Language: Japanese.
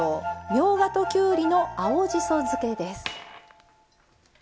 みょうがときゅうりの青じそ漬けです。